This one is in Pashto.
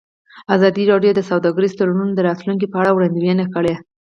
ازادي راډیو د سوداګریز تړونونه د راتلونکې په اړه وړاندوینې کړې.